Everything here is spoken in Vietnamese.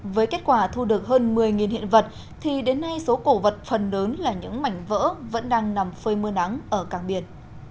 với kết quả thu được hơn một mươi hiện vật thì đến nay số cổ vật phần lớn là những mảnh vỡ vẫn đang nằm phơi mưa nắng ở cảng biển